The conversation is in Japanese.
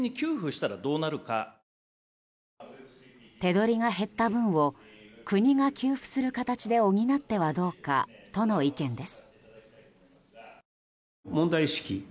手取りが減った分を国が給付する形で補ってはどうかとの意見です。